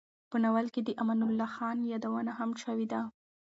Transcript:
په ناول کې د امان الله خان یادونه هم شوې ده.